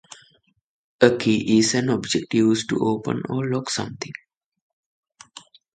A key is an object used to open or lock something.